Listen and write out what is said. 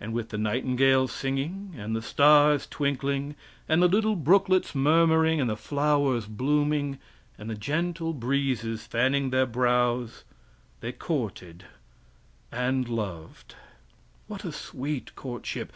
And with the nightingale singing, and the stars twinkling, and the little brooklets murmuring, and the flowers blooming, and the gentle breezes fanning their brows, they courted, and loved! What a sweet courtship.